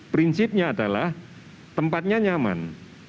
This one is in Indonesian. prinsipnya adalah tempatnya nyaman